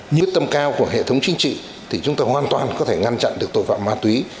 quyết tâm cao của hệ thống chính trị thì chúng ta hoàn toàn có thể ngăn chặn được tội phạm ma túy